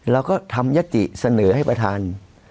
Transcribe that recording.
เราก็ทำยติเสนอให้ประธาน